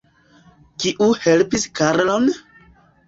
Kiu helpis Karlon?